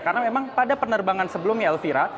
karena memang pada penerbangan sebelumnya elvira